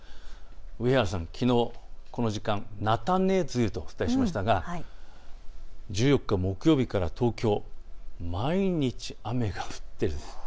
上原さん、きのうこの時間、菜種梅雨とお伝えしましたが１４日木曜日から東京、毎日、雨が降っている。